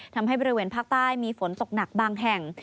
ทำให้บริเวณภาคใต้มีฝนตกหนักบางแห่ง